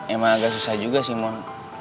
emang agak susah juga sih